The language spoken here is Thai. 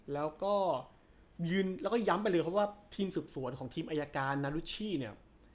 แล้วก็ย้ำไปเลยว่าทีมสุดสวนของทีมอายการนารุชชี่เนี่ย